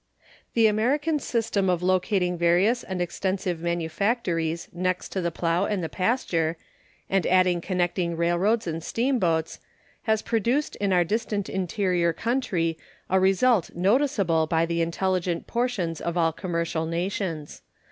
The American system of locating various and extensive manufactories next to the plow and the pasture, and adding connecting railroads and steamboats, has produced in our distant interior country a result noticeable by the intelligent portions of all commercial nations.